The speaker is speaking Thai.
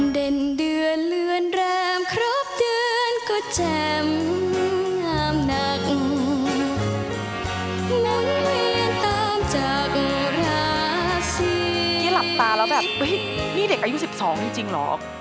นี่หลับตาแล้วแบบนี่เด็กอายุ๑๒จริงเหรอ